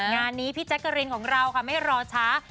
งานนี้พี่แจ๊คกะเร็นท์ของเราไม่ร้อเช้า